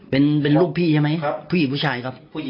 เป็นลูกพี่ใช่ไหมผู้หญิงผู้ชายครับ